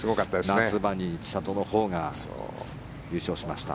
夏場に千怜のほうが優勝しました。